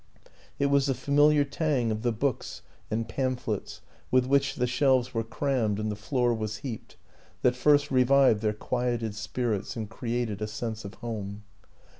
It was the familiar tang of the books 47 48 WILLIAM AN ENGLISHMAN and pamphlets, with which the shelves were crammed and the floor was heaped, that first re vived their quieted spirits and created a sense of home.